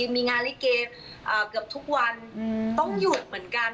มีงานลิเกเกือบทุกวันต้องหยุดเหมือนกัน